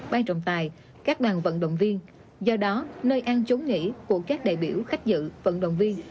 bay trọng tài các đoàn vận động viên do đó nơi ăn trốn nghỉ của các đại biểu khách dự vận động viên